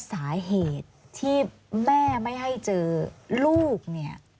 สาเหตุที่แม่ไม่ให้เจอลูกเนี่ย